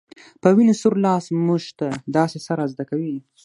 په وينو سور لاس موږ ته داسې څه را زده کوي